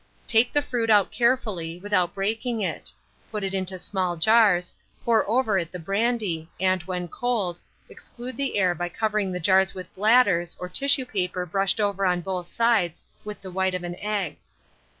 Take the fruit out carefully, without breaking it; put it into small jars, pour over it the brandy, and, when cold, exclude the air by covering the jars with bladders, or tissue paper brushed over on both sides with the white of an egg.